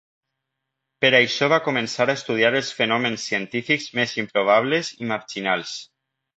Per això va començar a estudiar els fenòmens científics més improbables i marginals.